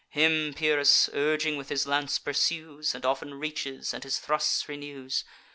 Him Pyrrhus, urging with his lance, pursues, And often reaches, and his thrusts renews.